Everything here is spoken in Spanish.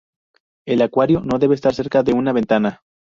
El acuario no debe estar cerca de una ventana.